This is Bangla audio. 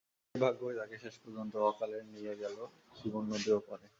সেই ভাগ্যই তাঁকে শেষ পর্যন্ত অকালেই নিয়ে গেল জীবন নদীর ওপারে।